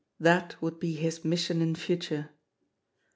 That would be his mission in future.